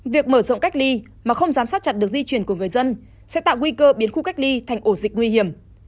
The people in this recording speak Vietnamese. việc mở rộng cách ly mà không giám sát chặt được di chuyển của người dân sẽ tạo nguy cơ biến khu cách ly thành ổ dịch nguy hiểm